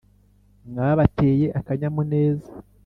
Mwabateye akanyamuneza